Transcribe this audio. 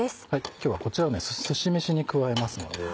今日はこちらをすし飯に加えますので。